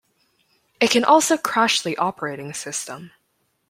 It can also crash the operating system.